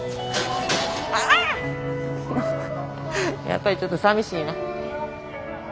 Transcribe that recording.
やっぱりちょっとさみしいな。